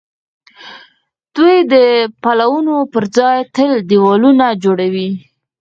دوی د پلونو پر ځای تل دېوالونه جوړوي.